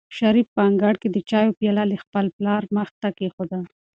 شریف په انګړ کې د چایو پیاله د خپل پلار مخې ته کېښوده.